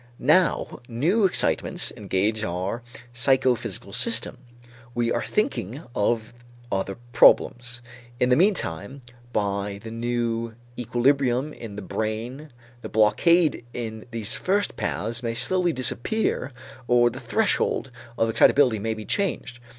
Now new excitements engage our psychophysical system. We are thinking of other problems. In the meantime, by the new equilibrium in the brain the blockade in these first paths may slowly disappear or the threshold of excitability may be changed.